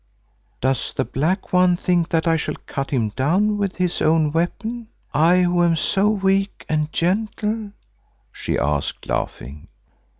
"Does the Black One think that I shall cut him down with his own weapon, I who am so weak and gentle?" she asked, laughing.